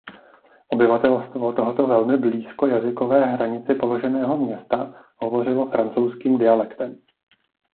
Obyvatelstvo tohoto velmi blízko jazykové hranici položeného města hovořilo francouzským dialektem.